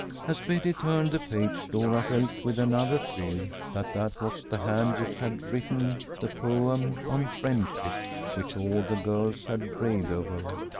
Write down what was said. As Betty turned the page, Dora felt with another thrill that that was the hand which had written the poem on "Friendship," which all the girls had raved over.